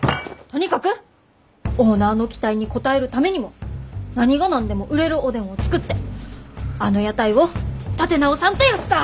とにかくオーナーの期待に応えるためにも何が何でも売れるおでんを作ってあの屋台を立て直さんとヤッサー！